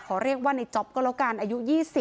เรียกว่าในจ๊อปก็แล้วกันอายุ๒๐